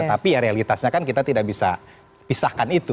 tapi ya realitasnya kan kita tidak bisa pisahkan itu